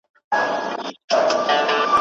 پاته په دې غرو کي د پېړیو حسابونه دي